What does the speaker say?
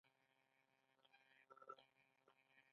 آیا ځوانان کار لري؟